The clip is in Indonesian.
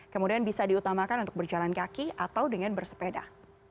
kemudian bisa diutamakan untuk berjalan kaki atau dengan bersepeda